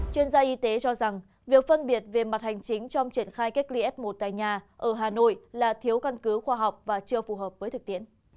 chuyên gia y tế cho rằng việc phân biệt về mặt hành chính trong triển khai cách ly f một tại nhà ở hà nội là thiếu căn cứ khoa học và chưa phù hợp với thực tiễn